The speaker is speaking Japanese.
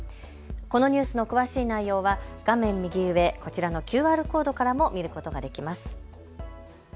このニュースの詳しい内容は画面右上、こちらのＱＲコードからも見ることができます。